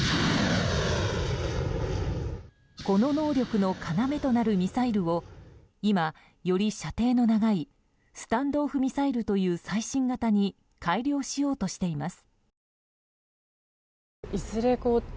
この能力の要となるミサイルを今、より射程の長いスタンド・オフ・ミサイルという最新型に改良しようとしています。